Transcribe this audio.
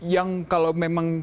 yang kalau memang